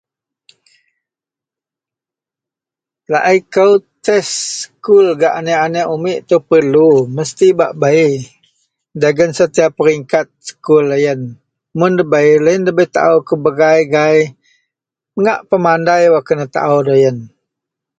Laei ko test sekul gak aniek -aniek umek ito perlu. Mesti bei. dagen setiap peringkat-peringkat mun debai lo yian debai tau kubah gai pemandai wak kena tau loyian